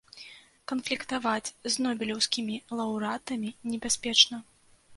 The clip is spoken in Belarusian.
Канфліктаваць з нобелеўскімі лаўрэатамі небяспечна.